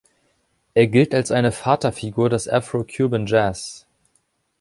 Er gilt als eine Vaterfigur des Afro Cuban Jazz.